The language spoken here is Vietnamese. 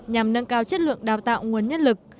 nhằm nâng cao chất lượng đào tạo nguồn nhân lực